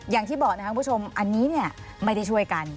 อย่างที่บอกนะครับคุณผู้ชมอันนี้เนี่ยไม่ได้ช่วยกัน